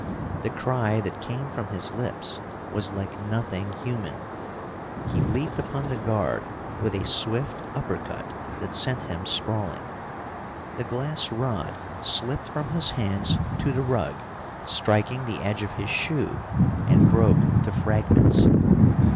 The cry that came from his lips was like nothing human. He leaped upon the guard with a swift uppercut that sent him sprawling. The glass rod slipped from his hands to the rug, striking the edge of his shoe, and broke to fragments.